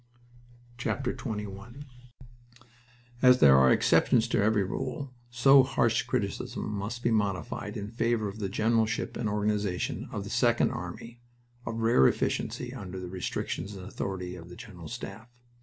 XXI As there are exceptions to every rule, so harsh criticism must be modified in favor of the generalship and organization of the Second Army of rare efficiency under the restrictions and authority of the General Staff.